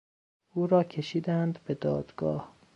او را کشیدند به دادگاه.